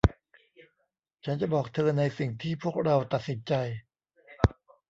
ฉันจะบอกเธอในสิ่งที่พวกเราตัดสินใจ